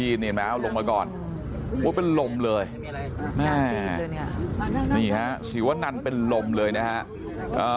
อุ่มมาก่อนกลัวเป็นลมเลยใช่มั๊ยเนี้ยเลยเนี้ยอ่ะสิวะนันเป็นลมเลยนะฮะ